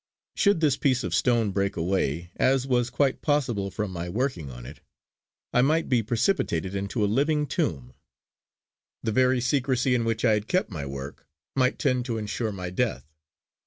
Should this piece of stone break away, as was quite possible from my working on it, I might be precipitated into a living tomb. The very secrecy in which I had kept my work, might tend to insure my death.